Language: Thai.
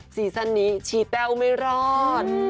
ซีซั่นนี้ชี้แต้วไม่รอด